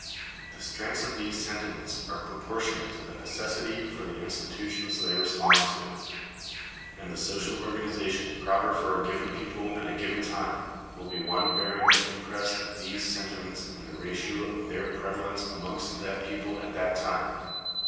The strengths of these sentiments are proportionate to the necessity for the institutions they respond to. And the social organization proper for a given people at a given time, will be one bearing the impress of these sentiments in the ratio of their prevalence amongst that people at that time.